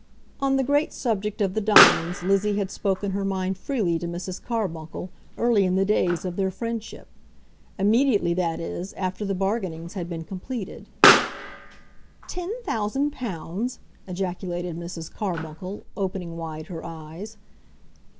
On the great subject of the diamonds Lizzie had spoken her mind freely to Mrs. Carbuncle early in the days of their friendship, immediately, that is, after the bargainings had been completed. "Ten thousand pounds!" ejaculated Mrs. Carbuncle, opening wide her eyes.